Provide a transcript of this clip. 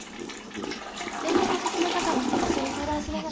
勉強の進め方も一緒に相談しながら。